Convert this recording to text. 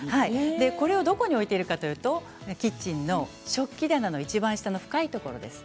これをどこに置いているかというとキッチンの食器棚のいちばん深いところです。